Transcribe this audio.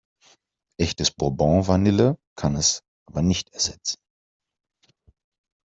Echtes Bourbon-Vanille kann es aber nicht ersetzen.